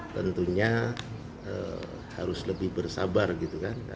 tentunya harus lebih bersabar gitu kan